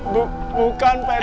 bu bukan pak rata